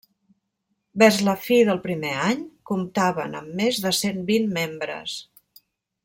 Vers la fi del primer any, comptaven amb més de cent vint membres.